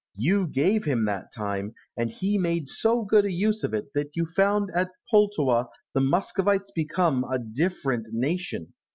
You gave him that time, and he made so good a use of it that you found at Pultowa the Muscovites become a different nation.